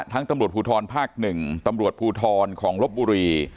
ทั้งตำรวจผูทรภาคหนึ่งตำรวจผูทรของรบบุรี